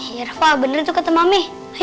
iya rafa bener tuh kata mami